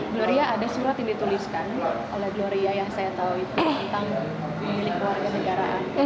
gloria ada surat yang dituliskan oleh gloria yang saya tahu itu tentang milik warga negaraan